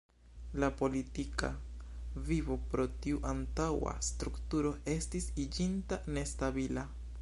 La politika vivo pro tiu antaŭa strukturo estis iĝinta nestabila.